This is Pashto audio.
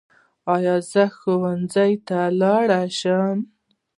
ایا زه ښوونځي ته لاړ شم؟